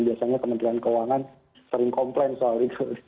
biasanya kementerian keuangan sering komplain soal itu